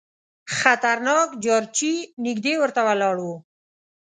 خطرناک جارچي نیژدې ورته ولاړ وو.